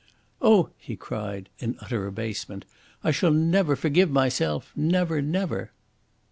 "Oh!" he cried, in utter abasement. "I shall never forgive myself never, never!"